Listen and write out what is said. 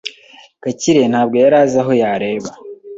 Gakire ntabwo yari azi aho yareba.